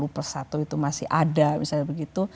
lima puluh per satu itu masih ada misalnya begitu